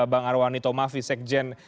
bang arwan itomafi sekjen